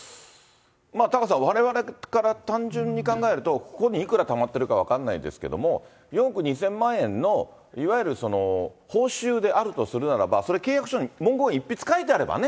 タカさん、われわれから単純に考えると、ここにいくらたまっているか分からないですけど、４億２０００万円のいわゆる報酬であるとするならば、それ、契約書に文言一筆書いてあるならね。